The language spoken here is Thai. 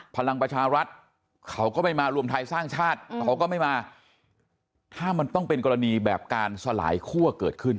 พลังประชารัฐเขาก็ไม่มารวมไทยสร้างชาติเขาก็ไม่มาถ้ามันต้องเป็นกรณีแบบการสลายคั่วเกิดขึ้น